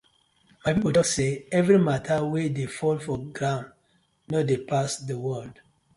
My pipu tok say everi matta wey dey fall for ground no dey pass the world.